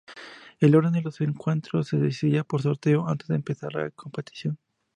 El orden de los encuentros se decidía por sorteo antes de empezar la competición.